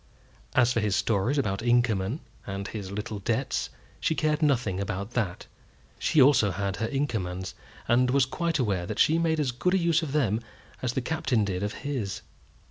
As for his stories about Inkerman, and his little debts, she cared nothing about that. She also had her Inkermans, and was quite aware that she made as good use of them as the Captain did of his.